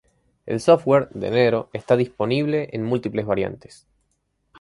El software de Nero está disponible en múltiples variantes.